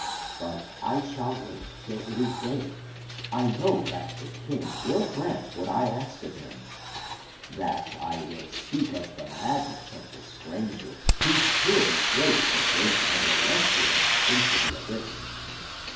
But I shall wait till it is day. I know that the king will grant what I ask of him. And I will speak of the madness of the stranger, whose tyranny throws the great and illustrious into the abyss.